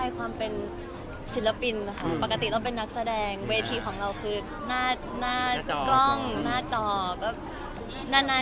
ความเป็นฝัน